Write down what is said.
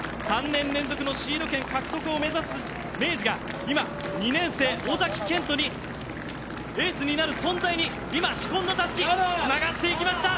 ３年連続のシード権獲得を目指す明治が今、２年生、尾崎健斗にエースになる存在に今、紫紺のたすきつながっていきました！